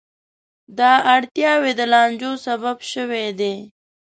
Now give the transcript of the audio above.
دا اړتیاوې د لانجو سبب شوې دي.